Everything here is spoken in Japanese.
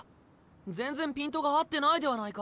全然ピントが合ってないではないか。